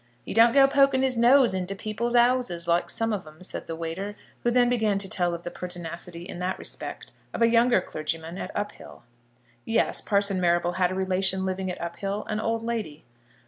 "He don't go poking his nose into people's 'ouses like some of 'em," said the waiter, who then began to tell of the pertinacity in that respect of a younger clergyman at Uphill. Yes; Parson Marrable had a relation living at Uphill; an old lady.